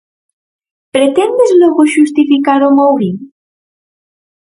¿Pretendes logo xustificar o Mourín?